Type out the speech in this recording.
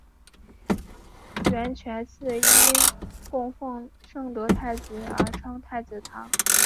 圆泉寺因供奉圣德太子而称太子堂。